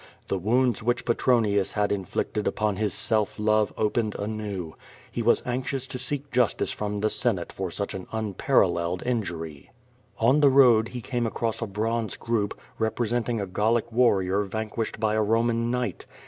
The wounds which Petronius had inflicted upon his self love opened anew. Ho was anxious to seek justice from the Senate for such an unpar alleled injury. On the road he came across a bronze group, representing a Gallic warrior vanquished by a Roman knight.